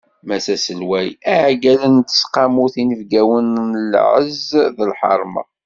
Mass Aselway, iɛeggalen n tesqamut inebgawen n lɛez d lḥerma.